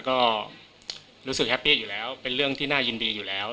ก็รู้สึกแฮปปี้อยู่แล้วเป็นเรื่องที่น่ายินดีอยู่แล้ว